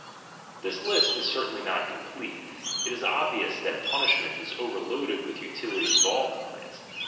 This list is certainly not complete; it is obvious that punishment is overloaded with utilities of all kinds.